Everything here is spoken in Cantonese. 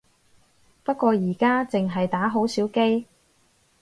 不過而家淨係打好少機